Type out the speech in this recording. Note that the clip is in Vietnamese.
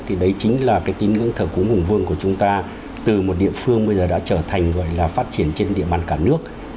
thì đấy chính là cái tín ngưỡng thờ cúng hùng vương của chúng ta từ một địa phương bây giờ đã trở thành gọi là phát triển trên địa bàn cả nước